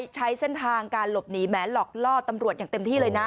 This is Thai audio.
ใช้เส้นทางการหลบหนีแม้หลอกล่อตำรวจอย่างเต็มที่เลยนะ